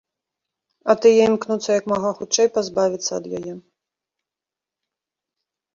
А тыя імкнуцца як мага хутчэй пазбавіцца ад яе.